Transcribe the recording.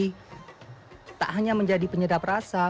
tapi tak hanya menjadi penyedap rasa